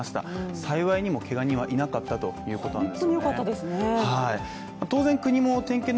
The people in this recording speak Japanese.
幸いにもけが人はいなかったということです。